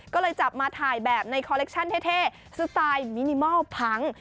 ก็เลยจับมาถ่ายแบบในคอเล็กชั่นเท่สไตล์มินิมอลพัง